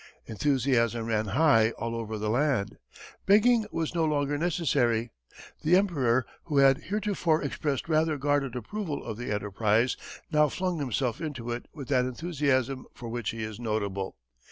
Enthusiasm ran high all over the land. Begging was no longer necessary. The Emperor, who had heretofore expressed rather guarded approval of the enterprise, now flung himself into it with that enthusiasm for which he is notable.